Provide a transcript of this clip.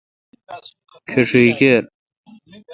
کھسی کیر۔